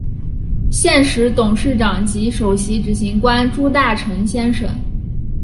现时董事长及首席执行官朱大成先生。